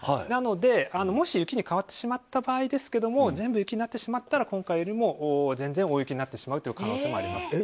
なので、もし雪に変わってしまった場合は全部雪になってしまったら前回よりも全然、大雪になってしまう可能性もあります。